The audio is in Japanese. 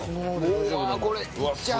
うわこれいっちゃう。